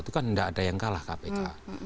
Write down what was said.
itu kan tidak ada yang kalah kpk